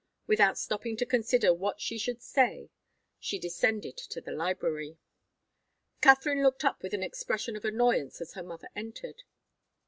Without stopping to consider what she should say, she descended to the library. Katharine looked up with an expression of annoyance as her mother entered.